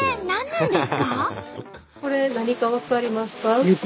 これ何か分かりますか？